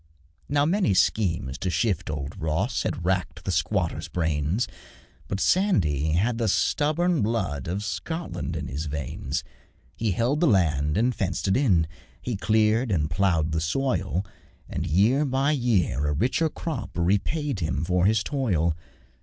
Now many schemes to shift old Ross Had racked the squatter's brains, But Sandy had the stubborn blood Of Scotland in his veins; He held the land and fenced it in, He cleared and ploughed the soil, And year by year a richer crop Repaid him for his toil.